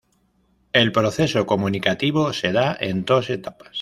El proceso comunicativo se da en dos etapas.